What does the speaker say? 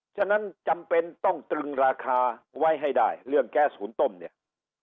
ฉะนั้นจำเป็นต้องตรึงราคาไว้ให้ได้เรื่องแก๊สหุนต้มเนี่ย